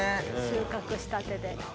収穫したてで。